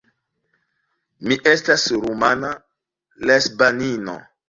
Mi estas rumana lesbanino.